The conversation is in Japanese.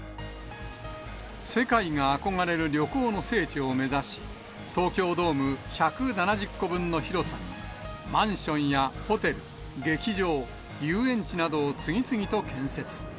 世界が憧れる旅行の聖地を目指し、東京ドーム１７０個分の広さに、マンションやホテル、劇場、遊園地などを次々と建設。